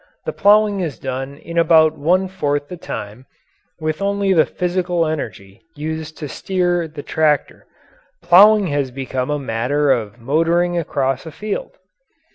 The ploughing is done in about one fourth the time, with only the physical energy used to steer the tractor. Ploughing has become a matter of motoring across a field.